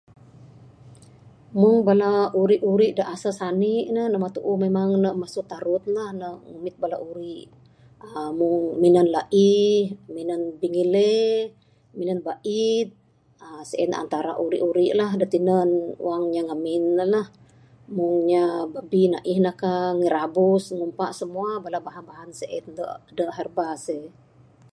Meng uri uri da asal sani ne memang mene masu tarun lah ne ngumit bala uri amu uhh minan laih minan pingile, minan baid uhh sien antara uri uri lah da tinen wang inya ngamin ne lah meng inya babbi naih ne ka, ngirabus ngumpa semua bahan bahan sien da herba sien.